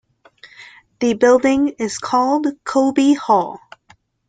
The building is called Colby Hall.